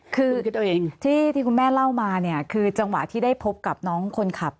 คือที่คุณแม่เล่ามาเนี่ยคือจังหวะที่ได้พบกับน้องคนขับ